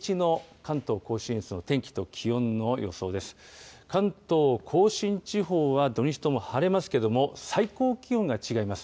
関東甲信地方は、土日とも晴れますけども、最高気温が違います。